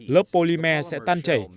lớp polymer sẽ tan chảy